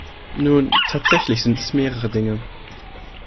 Nun, tatsächlich sind es mehrere Dinge.